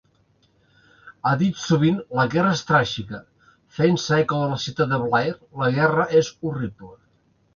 Ha dit sovint "La guerra és tràgica", fent-se eco de la cita de Blair, "La guerra és horrible".